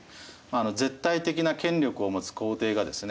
絶対的な権力を持つ皇帝がですね